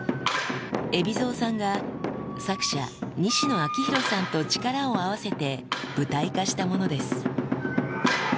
海老蔵さんが作者、西野亮廣さんと力を合わせて舞台化したものです。